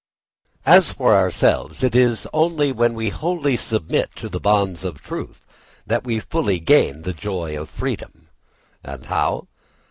As for ourselves, it is only when we wholly submit to the bonds of truth that we fully gain the joy of freedom. And how?